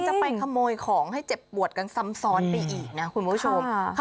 จะไปขโมยของให้เจ็บปวดกันซ้ำซ้อนไปอีกนะคุณผู้ชม